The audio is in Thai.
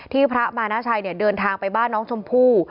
พระมานาชัยเดินทางไปบ้านน้องชมพู่